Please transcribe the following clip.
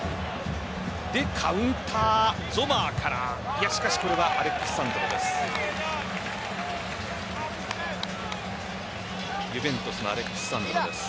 カウンター、ゾマーからしかしこれはアレックス・サンドロです。